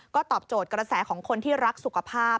ก็ตอบโจทย์กระแสของคนที่รักสุขภาพ